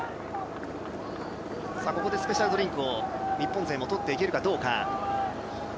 ここでスペシャルドリンクを日本勢も取っていけるかどうか。